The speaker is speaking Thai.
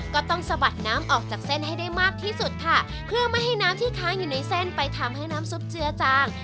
สะบัดน้ำออกจากเส้นให้ได้มากที่สุดค่ะเพื่อไม่ให้น้ำที่ค้างอยู่ในเส้นไปทำให้น้ำซุปเจือจาง